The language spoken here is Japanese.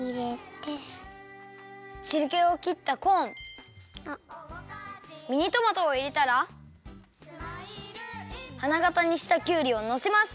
しるけをきったコーンミニトマトをいれたらはながたにしたきゅうりをのせます。